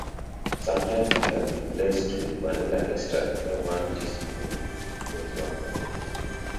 Sometimes it can be replaced with vanilla extract, where one teaspoon equals one package.